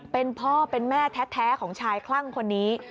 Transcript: เป็นพ่อเป็นแม่แท้ของชายคลั่งคนนี้